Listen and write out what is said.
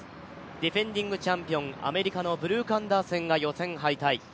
ディフェンディングチャンピオン、アメリカのブルーク・アンダーセンが決勝敗退。